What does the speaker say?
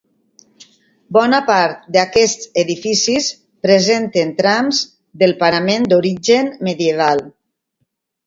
Bona part d'aquests edificis presenten trams del parament d'origen medieval.